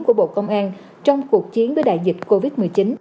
của bộ công an trong cuộc chiến với đại dịch covid một mươi chín